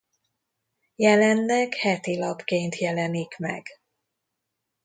Jelenleg hetilapként jelenik meg.